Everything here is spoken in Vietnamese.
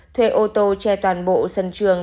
thuê ô tô che toàn bộ sân trường